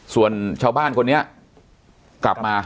ส่วนชาวบ้านคนนี้กลับมา